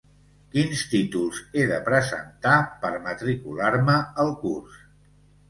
Quins títols he de presentar per matricular-me al curs?